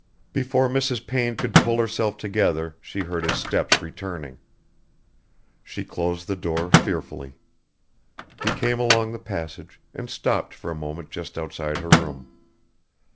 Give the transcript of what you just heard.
Before Mrs. Payne could pull herself together she heard his steps returning. She closed the door fearfully. He came along the passage and stopped for a moment just outside her room.